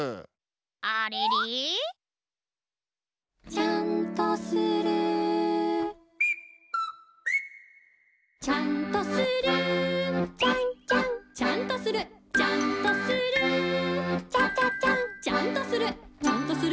「ちゃんとする」「ちゃんとする」「ちゃんとする」「ちゃんとする」「ちゃんとするちゃんとする？」